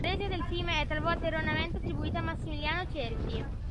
La regia del film è talvolta erroneamente attribuita a Massimiliano Cerchi.